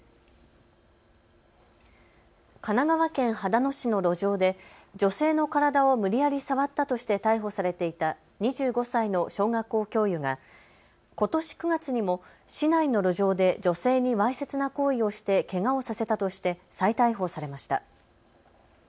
神奈川県秦野市の路上で女性の体を無理やり触ったとして逮捕されていた２５歳の小学校教諭がことし９月にも市内の路上で女性にわいせつな行為をしてけがをさせたとして再逮捕されました。